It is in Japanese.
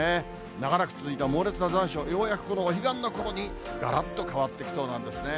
長らく続いた猛烈な残暑、ようやくこのお彼岸のころにがらっと変わってきそうなんですね。